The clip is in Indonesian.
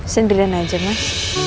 sendkrakan saja mas